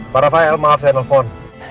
pak rafael maaf saya nelfon